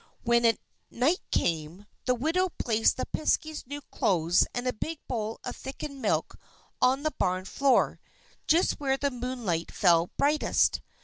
When night came, the widow placed the Piskey's new clothes and a big bowl of thickened milk on the barn floor, just where the moonlight fell brightest.